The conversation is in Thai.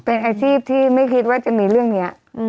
เป็นอาชีพที่ไม่คิดว่าจะมีเรื่องนี้